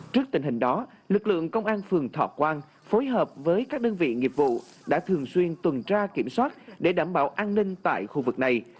trước tình hình đó lực lượng công an phường thọ quang phối hợp với các đơn vị nghiệp vụ đã thường xuyên tuần tra kiểm soát để đảm bảo an ninh tại khu vực này